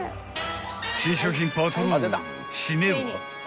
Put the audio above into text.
［新商品パトロール締めは］